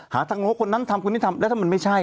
หาทางโน้คนนั้นทำคนนี้ทำแล้วถ้ามันไม่ใช่